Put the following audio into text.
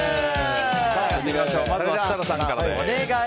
まずは設楽さんから。